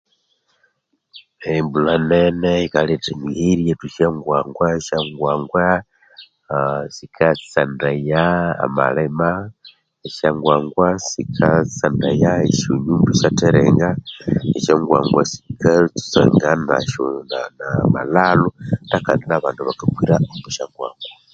Embulha nene yikaletha emigheri, iyathwa Esyangwangwa sikatsandaya amalima, esyangwangwa sikatsandaya esyonyumba isyatherenga esyangwangwa sikatsutsanga na'amalhalhu na bandu bakakwira omwa syangwangwa.